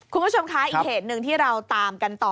คุณผู้ชมคะอีกเหตุหนึ่งที่เราตามกันต่อ